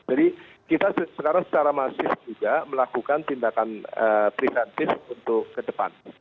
jadi kita sekarang secara masif juga melakukan tindakan privatis untuk ke depan